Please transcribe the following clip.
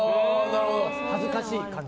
恥ずかしい感じ。